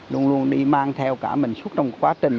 luôn luôn đi mang theo cả mình suốt trong quá trình